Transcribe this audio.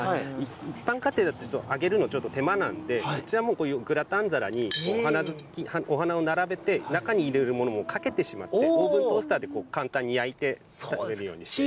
一般家庭だと揚げるのちょっと手間なんで、こちらはもう、こういうグラタン皿にお花を並べて中に入れるものをかけてしまって、オーブントースターで簡単に焼いて食べるようにしています。